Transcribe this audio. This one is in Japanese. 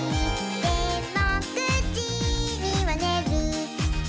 「でも９じにはねる」